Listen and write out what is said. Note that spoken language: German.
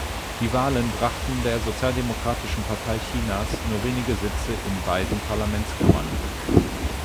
Die Wahlen brachten der Sozialdemokratischen Partei Chinas nur wenige Sitze in beiden Parlamentskammern.